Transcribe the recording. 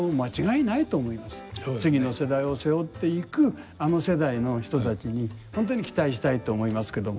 次の時代を背負っていくあの世代の人たちに本当に期待したいと思いますけども。